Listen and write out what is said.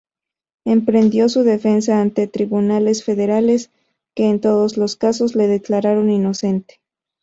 Emprendió su defensa ante tribunales federales que en todos los casos le declararon inocente.